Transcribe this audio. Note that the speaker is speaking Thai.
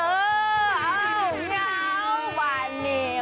อ้าวยาวว่าเนี่ย